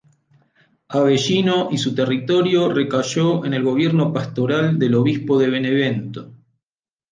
Avellino y su territorio recayó en el gobierno pastoral del obispo de Benevento.